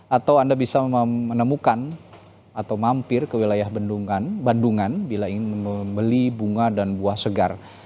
atau anda bisa menemukan atau mampir ke wilayah bendungan bandungan bila ingin membeli bunga dan buah segar